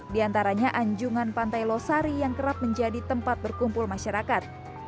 di antaranya anjungan pantai losari yang kerap menjadi tempat berkumpul masyarakat